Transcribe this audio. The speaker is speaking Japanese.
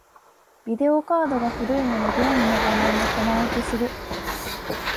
ビデオカードが古いので、ゲームの画面がコマ落ちする。